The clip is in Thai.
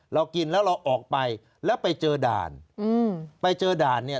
เรากินแล้วเราออกไปแล้วไปเจอด่านอืมไปเจอด่านเนี่ย